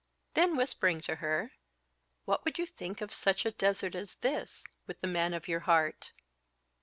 Then whispering to her, "What would you think of such a desert as this, with the man of your heart?"